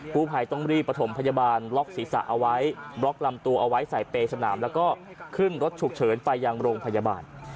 ผู้ภัยต้องรีบประถมพยาบาลล็อกศีรษะเอาไว้บล็อกลำตัวเอาไว้ใส่เปรย์สนามแล้วก็ขึ้นรถฉุกเฉินไปยังโรงพยาบาล